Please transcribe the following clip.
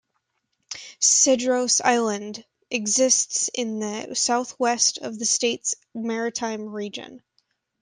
Cedros Island exists in the southwest of the state's maritime region.